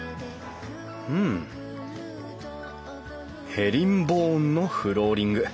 ヘリンボーンのフローリング。